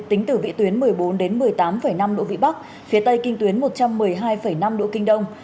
tính từ vị tuyến một mươi bốn đến một mươi tám năm độ vĩ bắc phía tây kinh tuyến một trăm một mươi hai năm độ kinh đông